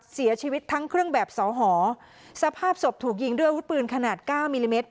เสียชีวิตทั้งเครื่องแบบสอหอสภาพศพถูกยิงด้วยอาวุธปืนขนาดเก้ามิลลิเมตร